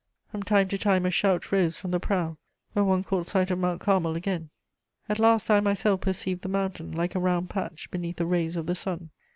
From time to time a shout rose from the prow, when one caught sight of Mount Carmel again. At last I myself perceived the mountain, like a round patch beneath the rays of the sun.